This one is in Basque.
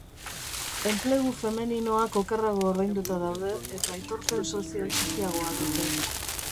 Enplegu femeninoak okerrago ordainduta daude eta aitorpen sozial txikiagoa dute.